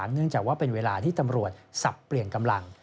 เนื่องจากว่าเป็นเวลาที่ตำรวจสับเปลี่ยนกำลัง